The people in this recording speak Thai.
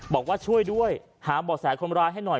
บอกว่าช่วยด้วยหาบ่อแสคนร้ายให้หน่อย